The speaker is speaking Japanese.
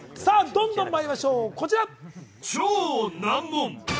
どんどんまいりましょう。